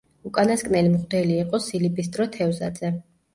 უკანასკნელი მღვდელი იყო სილიბისტრო თევზაძე.